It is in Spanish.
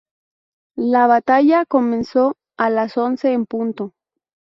La batalla comenzó a las once en punto.